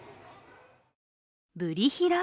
ブリヒラ？